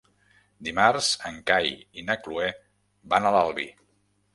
Dimarts en Cai i na Cloè van a l'Albi.